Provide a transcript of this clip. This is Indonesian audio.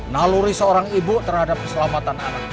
naluri seorang ibu terhadap keselamatan anak